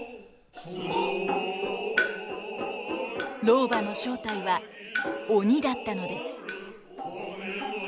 老婆の正体は鬼だったのです。